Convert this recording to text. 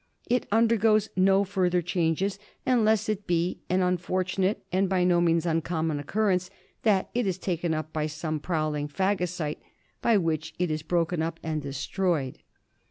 It undergoes no further change unless it be — an unfortunate and by no means uncommon occurrence — that it is taken up by some prowling phagocyte by which it is broken up and destroyed.